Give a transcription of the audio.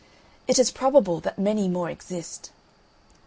It is probable that many more exist.